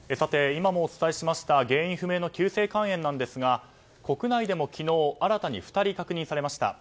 今もお伝えしました原因不明の急性肝炎なんですが国内でも昨日新たに２人確認されました。